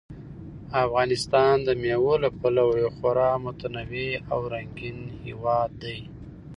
افغانستان د مېوو له پلوه یو خورا متنوع او رنګین هېواد دی.